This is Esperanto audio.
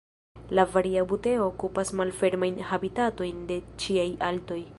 La Varia buteo okupas malfermajn habitatojn de ĉiaj altoj.